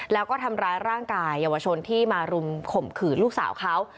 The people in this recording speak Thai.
แล้วก็ทำร้ายร่างกายเยาวชนที่มารุมข่มขืนลูกสาวเขา